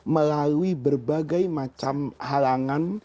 melalui berbagai macam halangan